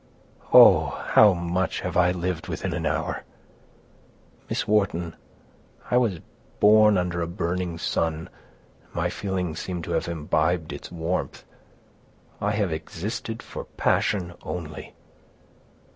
Oh! how much have I lived within an hour! Miss Wharton, I was born under a burning sun, and my feelings seem to have imbibed its warmth; I have existed for passion only."